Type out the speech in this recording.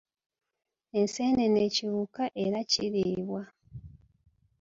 Enseenene kiwuka era kiriibwa.